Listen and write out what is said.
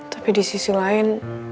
tapi di sisi lain